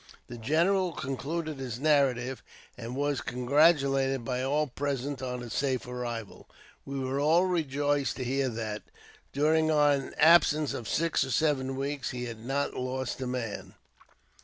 The general concluded his narrative, and was congratulated by all present on his safe arrival. We were all rejoiced to hear that, during an absence of six or seven weeks, he had not lost a man.